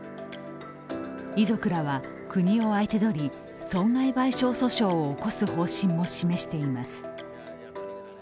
遺族らは、国を相手取り損害賠償訴訟を起こす方針も示しています。